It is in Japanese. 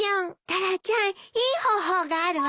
タラちゃんいい方法があるわ。